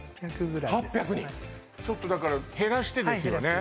８００人ちょっとだから減らしてですよね